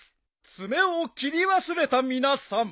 爪を切り忘れた皆さん